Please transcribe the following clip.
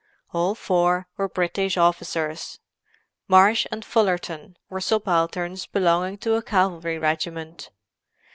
All four were British officers. Marsh and Fullerton were subalterns belonging to a cavalry regiment.